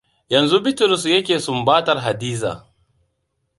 Yanzu Bitrus ya ke sumbatar Hadiza.